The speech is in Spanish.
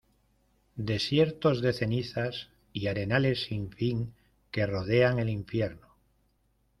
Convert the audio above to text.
desiertos de cenizas y arenales sin fin que rodean el Infierno.